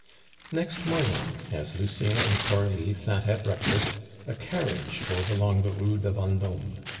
Next morning, as Lucien and Coralie sat at breakfast, a carriage drove along the Rue de Vendome.